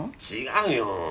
違うよ。